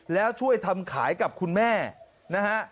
แล้วช่วยทำขายกับคุณแม่นะฮะ